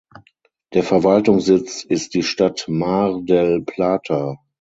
Der Verwaltungssitz ist die Stadt Mar del Plata.